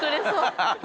ハハハ！